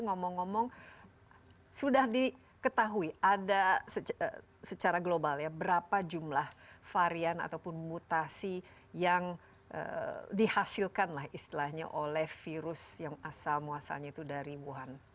ngomong ngomong sudah diketahui ada secara global ya berapa jumlah varian ataupun mutasi yang dihasilkan lah istilahnya oleh virus yang asal muasalnya itu dari wuhan